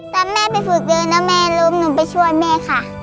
ตอนแม่ไปฝึกยืนแล้วแม่ล้มหนูไปช่วยแม่ค่ะ